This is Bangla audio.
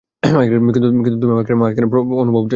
কিন্তু এখন আমার মাঝে প্রপোজ করার অনুভব আসলো।